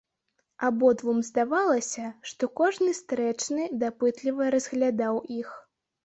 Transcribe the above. Абодвум здавалася, што кожны стрэчны дапытліва разглядаў іх.